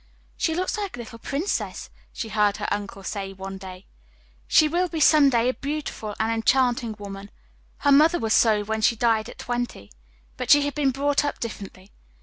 "She looks like a little princess," she heard her uncle say one day. "She will be some day a beautiful, an enchanting woman her mother was so when she died at twenty, but she had been brought up differently.